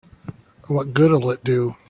What good'll it do?